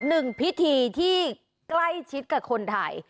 หนึ่งพิธีที่ใกล้ชิดกับคนไทย